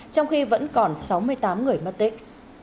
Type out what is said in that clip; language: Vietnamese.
trong khi vẫn còn sáu mươi tám người mất tích